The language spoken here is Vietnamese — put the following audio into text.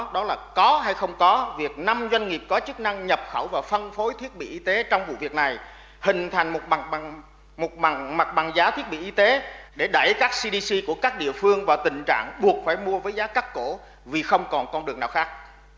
đó là có hay không có việc năm doanh nghiệp có chức năng nhập khẩu và phân phối thiết bị y tế trong vụ việc này hình thành một mặt bằng giá thiết bị y tế để đẩy các cdc của các địa phương vào tình trạng buộc phải mua với giá cắt cổ vì không còn con đường nào khác